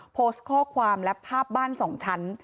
โพสต์ข้อความและภาพบ้านสองชั้น